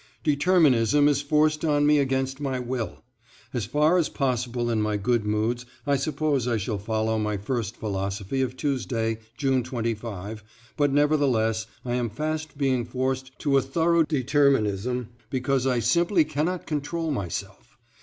Determinism is forced on me against my will. As far as possible in my good moods I suppose I shall follow my first philosophy of Tuesday, June 25, but, nevertheless, I am fast being forced to a thorough determinism because I simply cannot control myself.